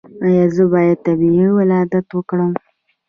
ایا زه باید طبیعي ولادت وکړم؟